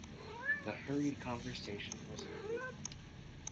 The hurried conversation was ended.